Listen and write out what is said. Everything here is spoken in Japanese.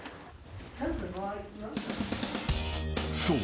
［そう。